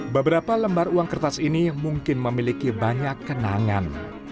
beberapa lembar uang kertas ini mungkin memiliki banyak kenangan